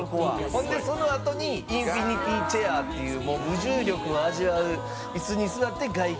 「ほんでそのあとにインフィニティチェアっていう無重力を味わうイスに座って外気浴をすると」